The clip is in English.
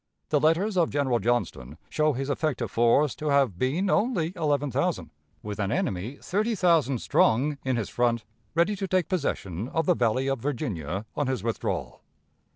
The letters of General Johnston show his effective force to have been only eleven thousand, with an enemy thirty thousand strong in his front, ready to take possession of the Valley of Virginia on his withdrawal.